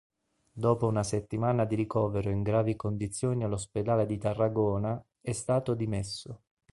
Dopo una settimana di ricovero in gravi condizioni all'ospedale di Tarragona è stato dimesso.